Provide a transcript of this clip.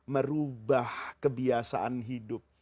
merubah kebiasaan hidup